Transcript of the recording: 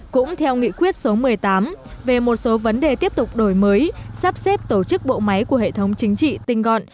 cũng theo nghị quyết số một mươi tám về một số vấn đề tiếp tục đổi mới sắp xếp tổ chức bộ máy của hệ thống chính trị tinh gọn